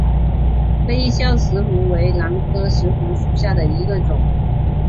杯鞘石斛为兰科石斛属下的一个种。